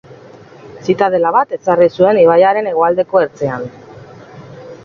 Zitadela bat ezarri zuen ibaiaren hegoaldeko ertzean.